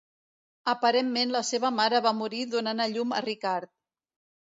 Aparentment la seva mare va morir donant a llum a Ricard.